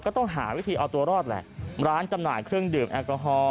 ต้องหาวิธีเอาตัวรอดแหละร้านจำหน่ายเครื่องดื่มแอลกอฮอล